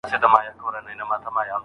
خپلي تېري خوشحاله خاطرې یاد کړئ.